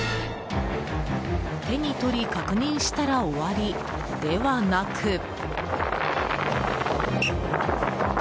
手に取り確認したら終わりではなく。